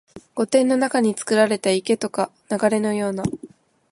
御殿の中につくられた池とか流れのような、